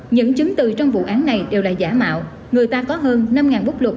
những chứng từ trong vụ án này đều là giả mạo người ta có hơn năm bút lục